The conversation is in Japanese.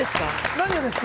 何がですか？